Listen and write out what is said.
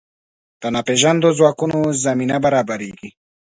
د ناپېژاندو ځواکونو زمینه برابرېږي.